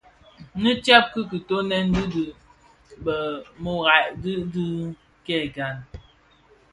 Nnë tsèb ki kitöňèn dhi bi mërōňa di dhi kè gan.